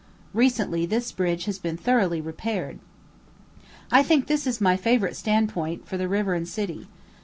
Recently this bridge has been thoroughly repaired. I think this is my favorite stand point for the river and city.